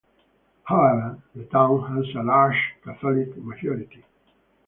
However, the town has a large Catholic majority.